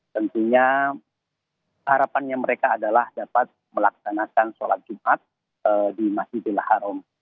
tentunya harapannya mereka adalah dapat melaksanakan sholat jumat di masjidil haram